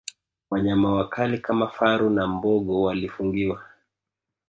Wanyama wakali kama faru na mbogo walifungiwa